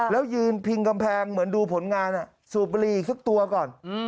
แล้วยืนพิงกำแพงเหมือนดูผลงานสูบบุหรี่อีกสักตัวก่อน